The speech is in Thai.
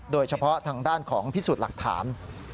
โดยเฉพาะทางด้านของพิสูจน์หลักฐาน